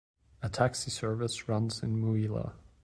A taxi service runs in Mouila.